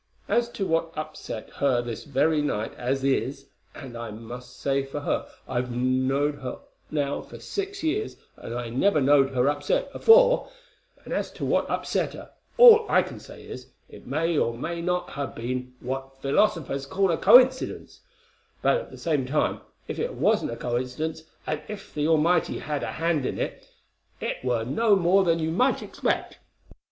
As to what upset her this very night as is, and I must say for her, I've knowed her now for six years, and I never knowed her upset afore, and as to what upset her, all I can say is, it may or may not ha' been what phylosophers call a coincydence; but at the same time, if it wasn't a coincydence, and if the Almighty had a hand in it, it were no more than you might expect.